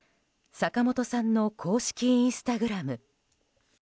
坂本さんの公式インスタグラム。